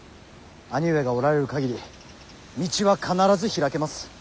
兄上がおられる限り道は必ず開けます。